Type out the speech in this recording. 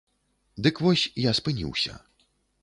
Дык вось, я спыніўся.